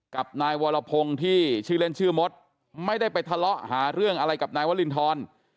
กับนายวรพงศ์ที่ชื่อเล่นชื่อมดไม่ได้ไปทะเลาะหาเรื่องอะไรกับนายวรินทร